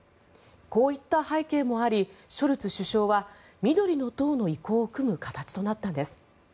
こういった背景もありショルツ首相は緑の党の意向をくむ形となったんです。